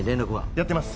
やってます